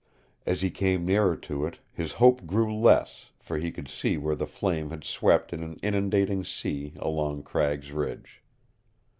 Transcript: As he came nearer to it his hope grew less for he could see where the flames had swept in an inundating sea along Cragg's Ridge.